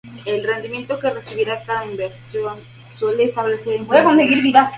El rendimiento que recibirá cada inversor suele establecerse en función de los resultados colectivos.